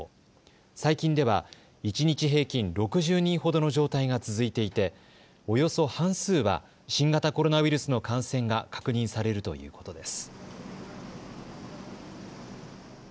最近では一日平均６０人ほどの状態が続いていておよそ半数は新型コロナウイルスの感染が確認されるということです。